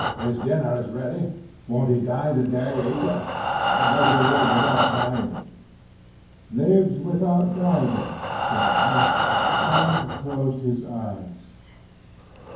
"His dinner is ready. Won't he dine to day, either? Or does he live without dining?" "Lives without dining," said I, and closed his eyes.